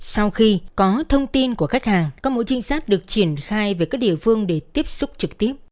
sau khi có thông tin của khách hàng các mũi trinh sát được triển khai về các địa phương để tiếp xúc trực tiếp